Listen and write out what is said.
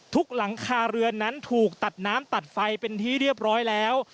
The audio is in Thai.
ทุกหลังคาเรือนนั้นถูกตัดน้ำตัดไฟเป็นที่เรียบร้อยแล้ว